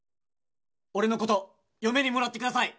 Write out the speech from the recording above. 俺のこと嫁にもらってください！